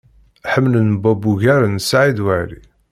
Ḥemmlen Bob ugar n Saɛid Waɛli.